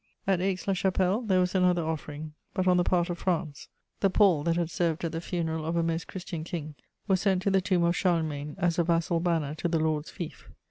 At Aix la Chapelle there was another offering, but on the part of France: the pall that had served at the funeral of a Most Christian King was sent to the tomb of Charlemagne as a vassal banner to the lord's fief.